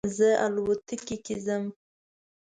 زه الوتکې کې ځم